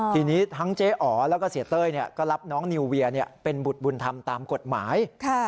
ทีนี้ทั้งเจ๊อ๋อแล้วก็เสียเต้ยก็รับน้องนิวเวียเป็นบุตรบุญธรรมตามกฎหมาย